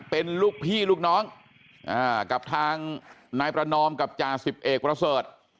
เป็นลูกพี่ลูกน้องกับทางนายประนอมกับจ่าสิบเอกประเสริฐ